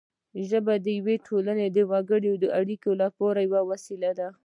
ژبه د یوې ټولنې د وګړو د اړیکو لپاره یوه وسیله ده